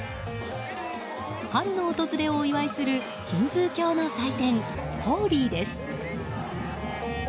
春の訪れをお祝いするヒンズー教の祭典、ホーリーです。